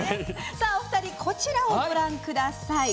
お二人こちらをご覧ください。